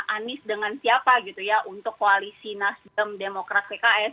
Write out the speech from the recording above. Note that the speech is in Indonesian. anies dengan siapa gitu ya untuk koalisi nasdem demokrat pks